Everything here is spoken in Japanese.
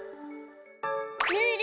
ムール！